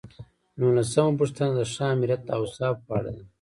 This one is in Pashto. نولسمه پوښتنه د ښه آمریت د اوصافو په اړه ده.